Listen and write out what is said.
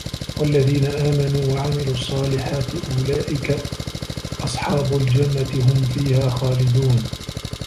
وَالَّذِينَ آمَنُوا وَعَمِلُوا الصَّالِحَاتِ أُولَٰئِكَ أَصْحَابُ الْجَنَّةِ ۖ هُمْ فِيهَا خَالِدُونَ